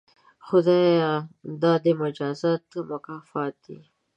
خدایه دا دې مجازات که مکافات دي؟